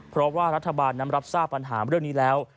เพราะว่ารัฐบาลนั้นรับทราบปัญหาเรื่องนี้แล้ว